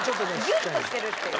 ギュッとしてるっていう。